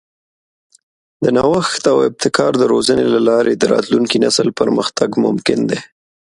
د نوښت او ابتکار د روزنې له لارې د راتلونکي نسل پرمختګ ممکن دی.